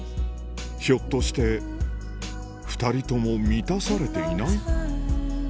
ひょっとして２人とも満たされていない？